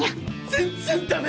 全然ダメ！